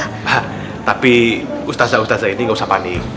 hah tapi ustadz ustadz ustadz ini gak usah panik